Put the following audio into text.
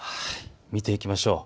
見ていきましょう。